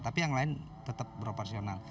tapi yang lain tetap beroperasional